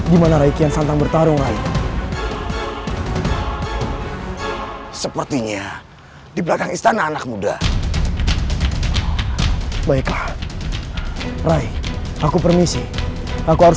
dia namanya set competitions yang aproxima berstart